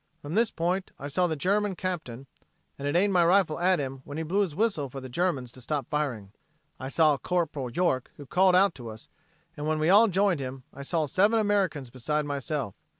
From this point I saw the German captain and had aimed my rifle at him when he blew his whistle for the Germans to stop firing. I saw Corporal York, who called out to us, and when we all joined him, I saw seven Americans beside myself.